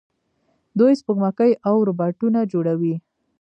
دوی سپوږمکۍ او روباټونه جوړوي.